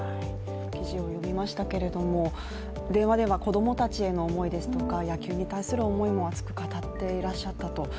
記事を読みましたけれども電話では子供たちへの思いや野球に対する思いも熱く語っていらっしゃったと。